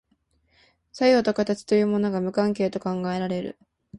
作用と形というものが無関係と考えられる。